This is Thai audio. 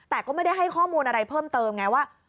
แต่ก็ไม่ได้ให้ข้อมูลอะไรเพิ่มเติมไงว่า